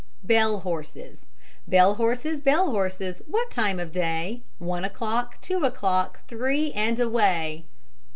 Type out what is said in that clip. BELL HORSES Bell horses, bell horses, what time of day? One o'clock, two o'clock, three and away.